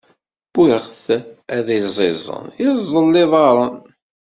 Wwiɣ-t ad iẓẓiẓen, iẓẓel iḍaṛṛen.